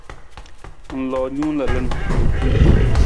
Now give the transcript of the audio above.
Ng loo nung lalan.